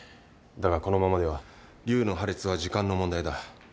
だがこのままでは瘤の破裂は時間の問題だ。